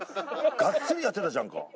がっつりやってたじゃんか。